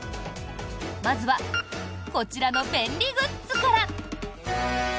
まずはこちらの便利グッズから。